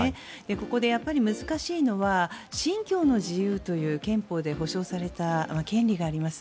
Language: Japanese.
ここで難しいのは信教の自由という憲法で保障された権利があります。